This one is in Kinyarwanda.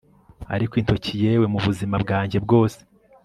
ariko intoki yewe mubuzima bwanjye bwose